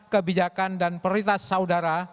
kebijakan dan prioritas saudara